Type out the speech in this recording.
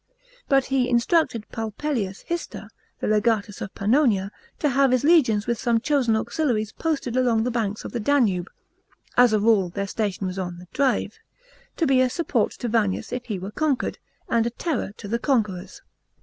But he instructed Palpellius Hister, the legatus of Pannonia, to have his legions with some chosen auxiliaries posted along the banks of the Danube— as a rule their station was on the Drave — to be a support to Vannius if he were conquered, and a terror to the conquerors.